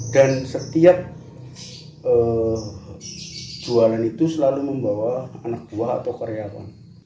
dan setiap jualan itu selalu membawa anak buah atau karyawan